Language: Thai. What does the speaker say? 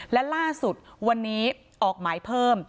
และล่าสุดวันนี้ออกหมายเพิ่ม